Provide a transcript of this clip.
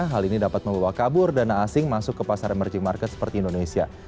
hal ini dapat membawa kabur dana asing masuk ke pasar emerging market seperti indonesia